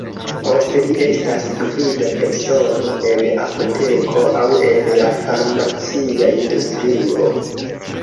Poste li estas gvida persono en apoteko aŭ en la farmacia industrio.